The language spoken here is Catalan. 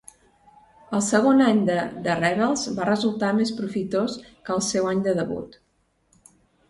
El segon any de The Rebels va resultar més profitós que el seu any de debut.